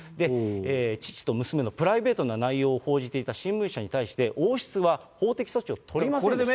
父と娘のプライベートな内容を報じていた新聞社に対して、王室は法的措置を取りませんでした。